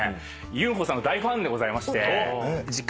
ユンホさんの大ファンでございまして。